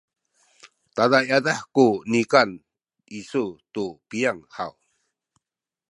tada yadah ku nikan isu tu piyang haw?